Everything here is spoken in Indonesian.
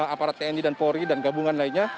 aparat tni dan polri dan gabungan lainnya